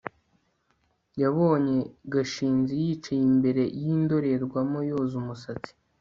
nabonye gashinzi yicaye imbere yindorerwamo yoza umusatsi